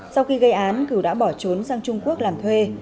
sau khi gây án cửu đã bỏ trốn sang trung quốc làm thuê